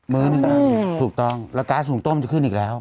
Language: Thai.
มื้อนึงนะถูกต้องแล้วการสูงต้มจะขึ้นอีกแล้ว